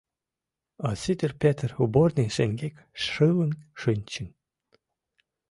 А Сидыр Петр уборный шеҥгек шылын шинчын.